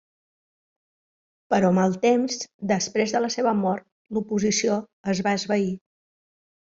Però amb el temps, després de la seva mort l'oposició es va esvair.